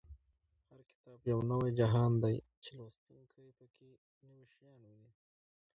هر کتاب یو نوی جهان دی چې لوستونکی په کې نوي شیان ویني.